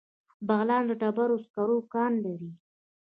بغلان د ډبرو سکرو کان لري